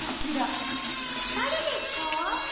だれですか？